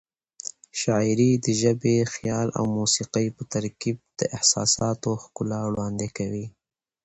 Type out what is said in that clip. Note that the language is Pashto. شاعري د ژبې، خیال او موسيقۍ په ترکیب د احساساتو ښکلا وړاندې کوي.